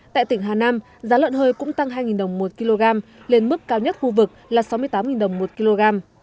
tại tỉnh hà nam giá lợn hơi cũng tăng hai đồng một kg lên mức cao nhất khu vực là sáu mươi tám đồng một kg